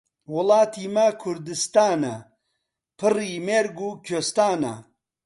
وڵاتی مە کوردستانە، پڕی مێرگ و کوێستانە.